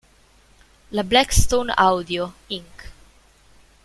La Blackstone Audio, Inc.